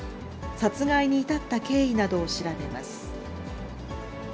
殺害に至った経緯などを調べます。